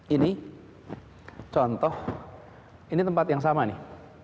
ini contoh ini tempat yang sama nih